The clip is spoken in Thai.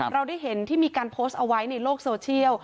เราได้เห็นที่มีการโพสต์เอาไว้ในโลกโซเชียล